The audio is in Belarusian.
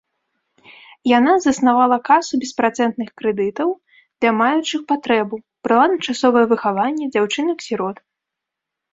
Яна заснавала касу беспрацэнтных крэдытаў для маючых патрэбу, брала на часовае выхаванне дзяўчынак-сірот.